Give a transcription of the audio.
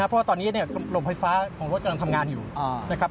เพราะว่าตอนนี้ลมไฟฟ้าของรถกำลังทำงานอยู่นะครับ